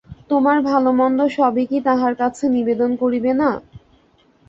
তোমার ভালোমন্দ সবই কি তাঁহার কাছে নিবেদন করিবে না?